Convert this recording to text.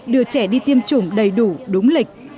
đưa trẻ đi tiêm chủng đầy đủ đúng lịch